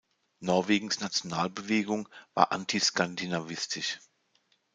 Norwegens Nationalbewegung war anti-skandinavistisch.